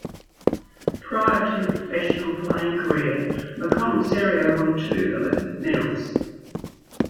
Prior to her professional playing career, McConnell Serio won two Olympic medals.